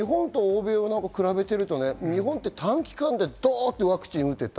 日本と欧米を比べると日本は短期間でどっとワクチンを打てた。